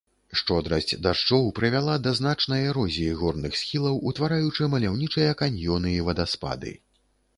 Шчодрасць дажджоў прывяла да значнай эрозіі горных схілаў, утвараючы маляўнічыя каньёны і вадаспады.